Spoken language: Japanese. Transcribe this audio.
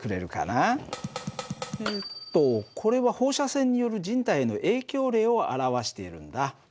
えっとこれは放射線による人体への影響例を表しているんだ。